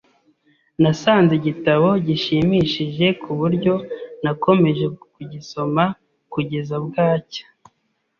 Nasanze igitabo gishimishije kuburyo nakomeje kugisoma kugeza bwacya.